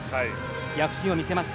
躍進を見せました。